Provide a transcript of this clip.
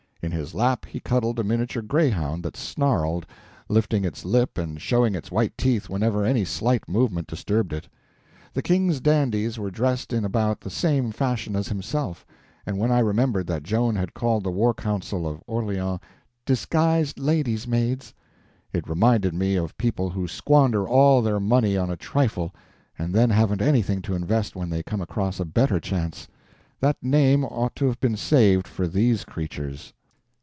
In his lap he cuddled a miniature greyhound that snarled, lifting its lip and showing its white teeth whenever any slight movement disturbed it. The King's dandies were dressed in about the same fashion as himself, and when I remembered that Joan had called the war council of Orleans "disguised ladies' maids," it reminded me of people who squander all their money on a trifle and then haven't anything to invest when they come across a better chance; that name ought to have been saved for these creatures.